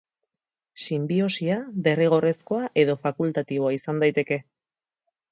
Sinbiosia derrigorrezkoa edo fakultatiboa izan daiteke.